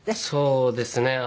そうですね。